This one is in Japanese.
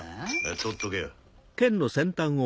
とっとけよ。